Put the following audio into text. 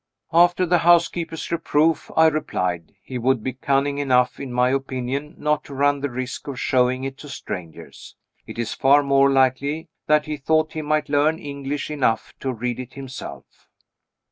"After the housekeeper's reproof," I replied, "he would be cunning enough, in my opinion, not to run the risk of showing it to strangers. It is far more likely that he thought he might learn English enough to read it himself."